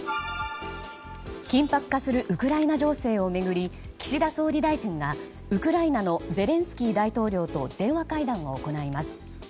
緊迫化するウクライナ情勢を巡り岸田総理大臣がウクライナのゼレンスキー大統領と電話会談を行います。